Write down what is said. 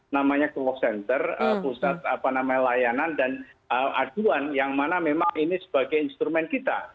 namanya call center pusat layanan dan aduan yang mana memang ini sebagai instrumen kita